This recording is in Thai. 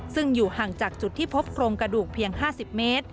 ซึ่งอยู่ห่างจากจุดที่พบโครงกระดูกเพียง๕๐เมตร